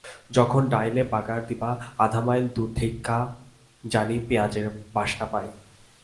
যখন ডাইলে বাগার দিবা আধা মাইল দূর থাইক্যা জানি পেঁয়াজের বাসনা পাই।